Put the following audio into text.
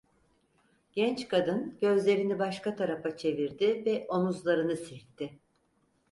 Genç kadın gözlerini başka tarafa çevirdi ve omuzlarını silkti.